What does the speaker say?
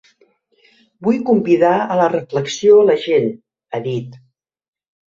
Vull convidar a la reflexió a la gent, ha dit.